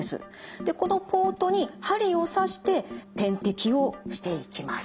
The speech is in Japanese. でこのポートに針を刺して点滴をしていきます。